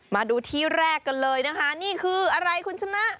มาดูที่แรกกันเลยนะคะนี่คืออะไรคุณชนะ